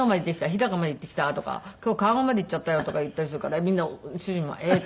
日高まで行ってきた」とか「今日川越まで行っちゃったよ」とか言ったりするから主人はえっ？